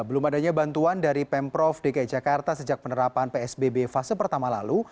belum adanya bantuan dari pemprov dki jakarta sejak penerapan psbb fase pertama lalu